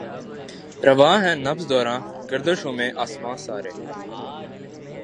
رواں ہے نبض دوراں گردشوں میں آسماں سارے